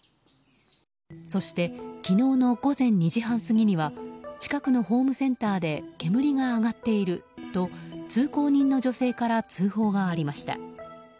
そして昨日の午前２時半過ぎには近くのホームセンターで煙が上がっていると通行人の女性から通報がありました。